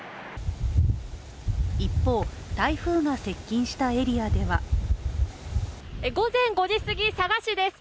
一方、台風が接近したエリアでは午前５時すぎ、佐賀市です。